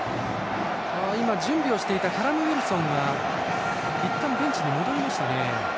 今、準備をしていたウィルソンがいったんベンチに戻りました。